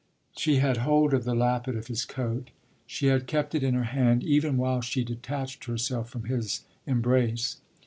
She had hold of the lappet of his coat; she had kept it in her hand even while she detached herself from his embrace.